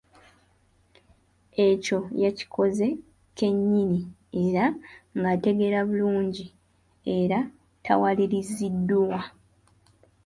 Ekyo yakikoze kennyini era ng'ategeera bulungi era tawaliriziddwa.